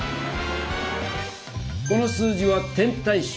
この数字は「点対称」。